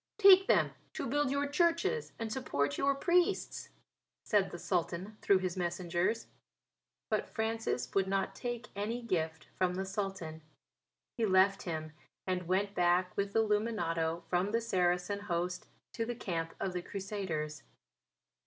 "Take them to build your churches and support your priests," said the Sultan through his messengers. But Francis would not take any gift from the Sultan. He left him and went back with Illuminato from the Saracen host to the camp of the Crusaders.